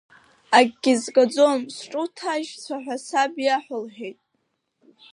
Акгьы згаӡом, сҿы уҭажьцәа ҳәа саб иаҳә, — лҳәет.